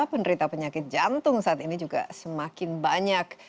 penderita penyakit jantung saat ini juga semakin banyak